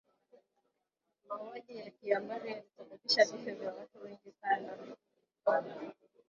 mauaji ya kimbari yalisababisha vifo vya watu wengi sana